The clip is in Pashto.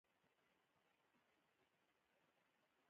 د سپرم د زیاتوالي لپاره د کوم شي تخم وخورم؟